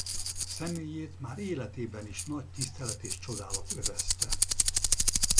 Személyét már életében is nagy tisztelet és csodálat övezte.